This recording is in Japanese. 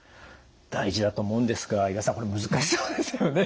大事だと思うんですが岩田さんこれ難しそうですよね。